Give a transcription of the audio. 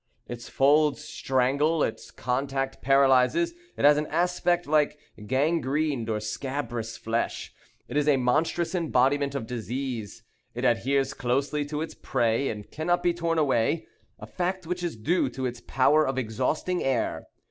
Its folds strangle, its contact paralyzes. It has an aspect like gangrened or scabrous flesh. It is a monstrous embodiment of disease. It adheres closely to its prey, and cannot be torn away; a fact which is due to its power of exhausting air.